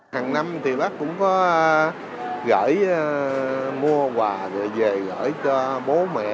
hằng năm thì bác cũng có gửi mua quà rồi về gửi cho bố mẹ